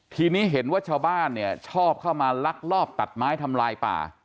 ทีนี้เห็นว่าชาวบ้านเนี่ยชอบเข้ามาลักลอบตัดไม้ทำลายป่า